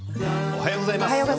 おはようございます。